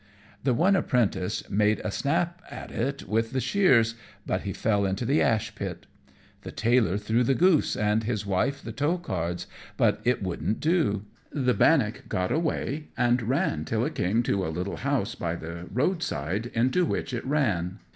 The one apprentice made a snap at it with the shears, but he fell into the ash pit. The tailor threw the goose and his wife the tow cards; but it wouldn't do; the bannock got away and ran till it came to a little house by the road side, into which it ran.